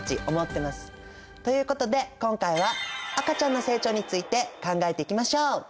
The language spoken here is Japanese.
ということで今回は赤ちゃんの成長について考えていきましょう。